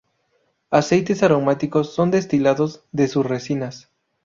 Aceites aromáticos son destilados de sus resinas.